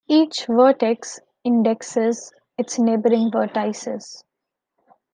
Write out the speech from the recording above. Each vertex indexes its neighboring vertices.